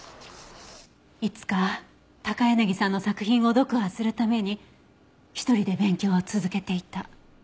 いつか高柳さんの作品を読破するために１人で勉強を続けていた。